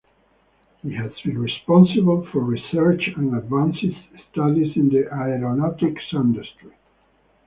He has been responsible for research and advanced studies in the aeronautics industry.